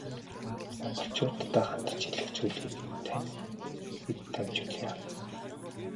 Монголчууддаа хандаж хэлэх зүйлийг тань бид дамжуулъя.